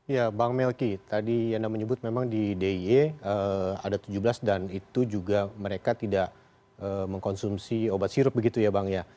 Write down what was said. ya bang melki tadi anda menyebut memang di d i y ada tujuh belas dan itu juga mereka tidak mengkonsumsi obat sirup begitu ya bang ya